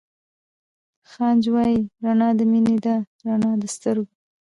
خانج وائي رڼا َد مينې ده رڼا َد سترګو